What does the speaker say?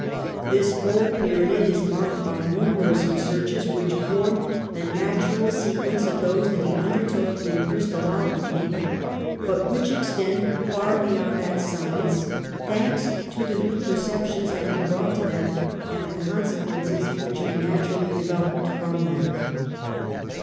This whole period is marked by numerous researches, which form the natural sequence of those that he undertook in crystalography, but which ex tend far beyond that science, thanks to the new perceptions that he brought to them and the consequences which naturally developed from them.